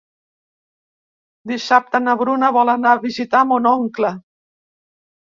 Dissabte na Bruna vol anar a visitar mon oncle.